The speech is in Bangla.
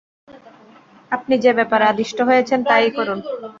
আপনি যে ব্যাপারে আদিষ্ট হয়েছেন তা-ই করুন।